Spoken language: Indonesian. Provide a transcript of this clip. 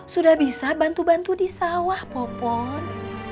sudah bisa bantu bantu di sawah popon